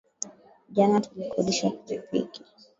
Jana tulikodishwa pikipiki